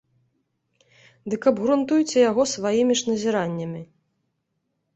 Дык абгрунтуйце яго сваімі ж назіраннямі.